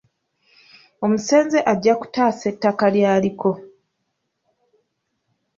Omusenze ajja kutaasa ettaka lyaliko